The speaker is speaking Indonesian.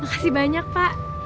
makasih banyak pak